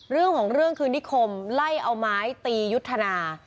เรื่องของเรื่องคือนิคมไล่เอาไม้ตียุทธนา